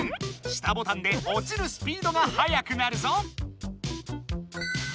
下ボタンでおちるスピードがはやくなるぞ！